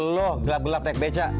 lo gelap gelap naik beca